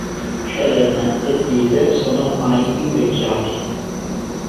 Helen e Bill sono ormai invecchiati.